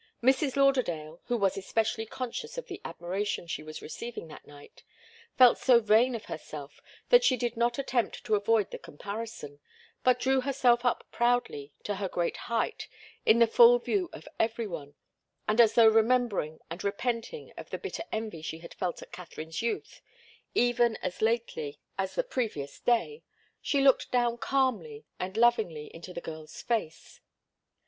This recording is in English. Mrs. Lauderdale, who was especially conscious of the admiration she was receiving that night, felt so vain of herself that she did not attempt to avoid the comparison, but drew herself up proudly to her great height in the full view of every one, and as though remembering and repenting of the bitter envy she had felt of Katharine's youth even as lately as the previous day, she looked down calmly and lovingly into the girl's face.